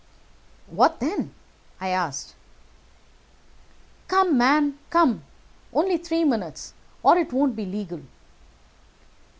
"'What then?' I asked. "'Come, man, come; only three minutes, or it won't be legal.'